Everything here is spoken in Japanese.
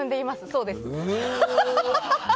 そうです。